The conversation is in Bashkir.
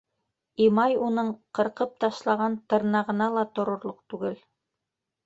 Имай уның ҡырҡып ташлаған тырнағына ла торорлоҡ түгел.